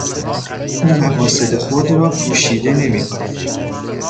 او مقاصد خود را پوشیده نمیکند.